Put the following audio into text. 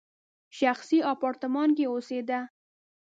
شخصي اپارتمان کې اوسېده.